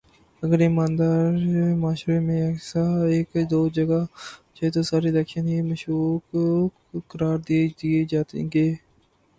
اگر ایماندار معاشرے میں ایسا ایک دو جگہ ہو جائے تو سارے الیکشن ہی مشکوک قرار دے دیئے جائیں گے